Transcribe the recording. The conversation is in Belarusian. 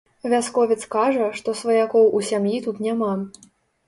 Вясковец кажа, што сваякоў у сям'і тут няма.